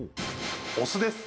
お酢です。